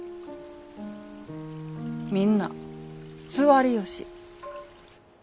みんな座りよし。